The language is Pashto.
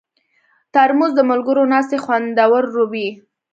ترموز د ملګرو ناستې خوندوروي.